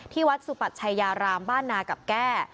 ที่วัดสุปัชชัยยารามบ้านนากับแก้